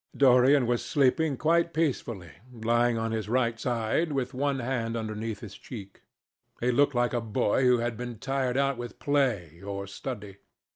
Dorian was sleeping quite peacefully, lying on his right side, with one hand underneath his cheek. He looked like a boy who had been tired out with play, or study.